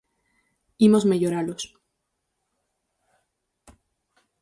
Imos melloralos.